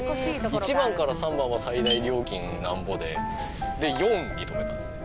１番から３番は最大料金なんぼで４に止めたんですね。